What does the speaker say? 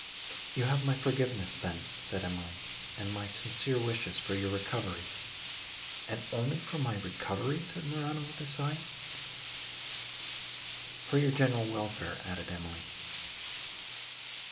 "You have my forgiveness, then," said Emily, "and my sincere wishes for your recovery." "And only for my recovery?" said Morano, with a sigh. "For your general welfare," added Emily.